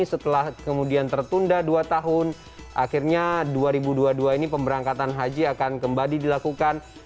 setelah kemudian tertunda dua tahun akhirnya dua ribu dua puluh dua ini pemberangkatan haji akan kembali dilakukan